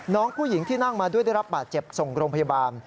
น้องผู้หญิงที่นั่งมาด้วยได้รับบาดเจ็บส่งโรงพยาบาล